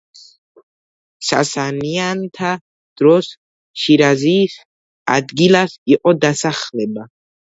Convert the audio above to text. სასანიანთა დროს შირაზის ადგილას იყო დასახლება.